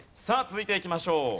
さあ続いていきましょう。